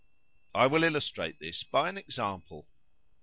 "I will illustrate this by an example.